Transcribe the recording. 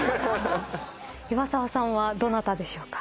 岩沢さんはどなたでしょうか？